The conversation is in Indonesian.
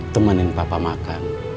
temenin papa makan